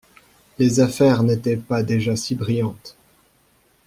Les affaires n'étaient pas déjà si brillantes!